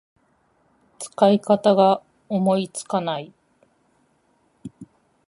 使い方が思いつかない